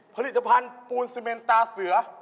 ผลิตภัณฑ์ปูนซีเมนตาเสือ